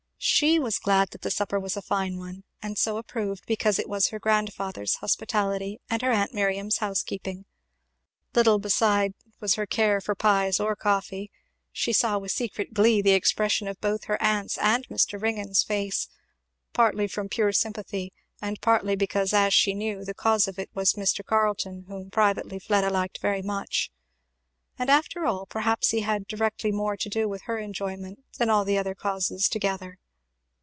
She was glad that the supper was a fine one, and so approved, because it was her grandfather's hospitality and her aunt Miriam's housekeeping; little beside was her care for pies or coffee. She saw with secret glee the expression of both her aunt's and Mr. Ringgan's face; partly from pure sympathy, and partly because, as she knew, the cause of it was Mr. Carleton, whom privately Fleda liked very much. And after all perhaps he had directly more to do with her enjoyment than all other causes together.